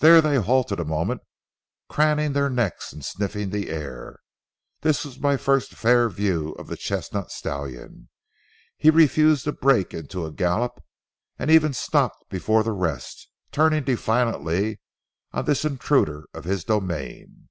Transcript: There they halted a moment, craning their necks and sniffing the air. This was my first fair view of the chestnut stallion. He refused to break into a gallop, and even stopped before the rest, turning defiantly on this intruder of his domain.